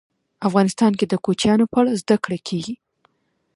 افغانستان کې د کوچیانو په اړه زده کړه کېږي.